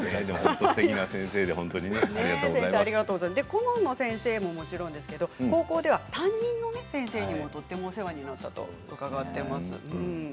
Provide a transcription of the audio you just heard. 顧問の先生ももちろんですが担任の先生にも、とてもお世話になったと聞いています。